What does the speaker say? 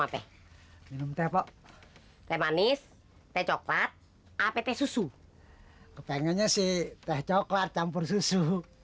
apa minum teh kok teh manis teh coklat apt susu kepengennya sih teh coklat campur susu